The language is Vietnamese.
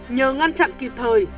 nhờ ngăn chặn kịp thời